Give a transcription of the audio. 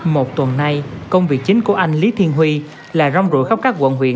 một tuần nay công việc chính của anh lý thiên huy là rong rủi khắp các quận huyện